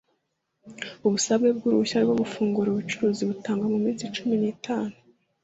ubusabe bw ‘uruhushya rwogufungura ubuucuruzi butangwa mu minsi cumi n’ itanu.